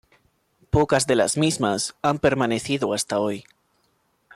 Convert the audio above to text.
Pocas de las mismas han permanecido hasta hoy.